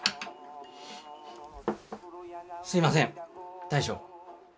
すいません大将。